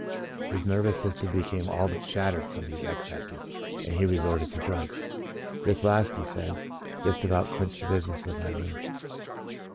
His nervous system became all but shattered from these excesses, and he re sorted to drugs. *' This last," he says, "just about clinched the business of my ruin.